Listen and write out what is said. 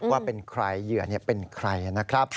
ว่าเป็นใครเหยื่อเป็นใครนะครับ